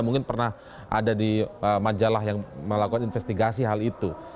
mungkin pernah ada di majalah yang melakukan investigasi hal itu